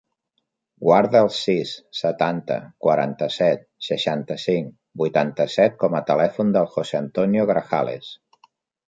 Guarda el sis, setanta, quaranta-set, seixanta-cinc, vuitanta-set com a telèfon del José antonio Grajales.